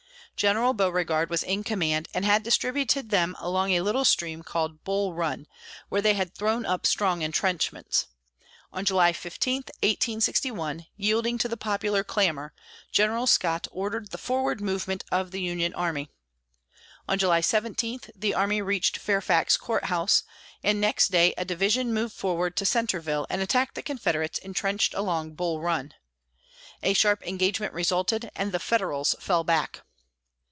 General Beauregard was in command, and had distributed them along a little stream called Bull Run, where they had thrown up strong intrenchments. On July 15, 1861, yielding to the popular clamor, General Scott ordered the forward movement of the Union army. On July 17 the army reached Fairfax Court House, and next day a division moved forward to Centreville and attacked the Confederates intrenched along Bull Run. A sharp engagement resulted, and the Federals fell back.